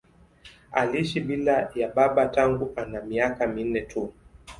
Aliishi bila ya baba tangu ana miaka minne tu.